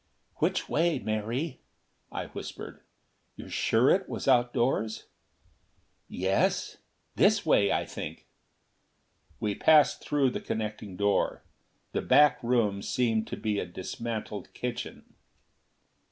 "Which way, Mary?" I whispered. "You're sure it was outdoors?" "Yes. This way, I think." We passed through the connecting door. The back room seemed to be a dismantled kitchen.